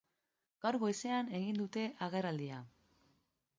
Gaur goizean egin dute agerraldia.